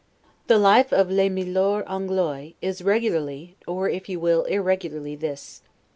The life of 'les Milords Anglois' is regularly, or, if you will, irregularly, this.